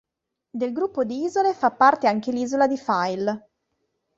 Del gruppo di isole fa parte anche l'isola di File.